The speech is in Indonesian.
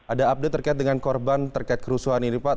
ada update terkait dengan korban terkait kerusuhan ini pak